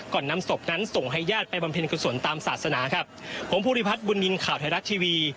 นำศพนั้นส่งให้ญาติไปบำเพ็ญกุศลตามศาสนาครับผมภูริพัฒน์บุญนินทร์ข่าวไทยรัฐทีวี